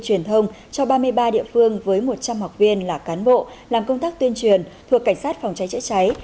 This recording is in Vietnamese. truyền thông cho ba mươi ba địa phương với một trăm linh học viên là cán bộ làm công tác tuyên truyền thuộc cảnh sát phòng cháy chữa cháy